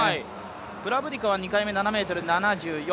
プラブディカは２回目、７ｍ７４。